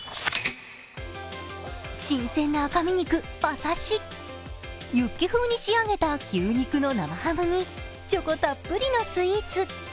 新鮮な赤身肉、馬刺しユッケ風に仕上げた牛肉の生ハムにチョコたっぷりのスイーツ。